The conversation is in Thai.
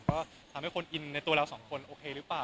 ก็ทำให้คนอินในตัวเราสองคนโอเคหรือเปล่า